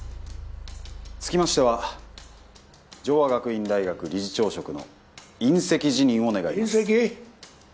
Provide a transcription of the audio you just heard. つきましては城和学院大学理事長職の引責辞任を願います引責？